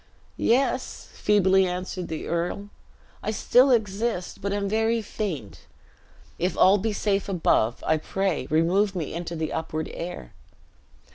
"Yes," feebly answered the earl, "I still exist, but am very faint. If all be safe above, I pray remove me into the upward air!"